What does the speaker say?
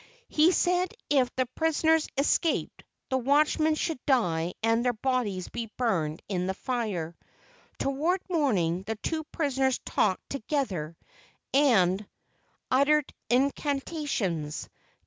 He said if the prisoners escaped, the watchmen should die and their bodies be burned in the fire. Toward morning the two prisoners talked together and 180 LEGENDS OF GHOSTS uttered incantations.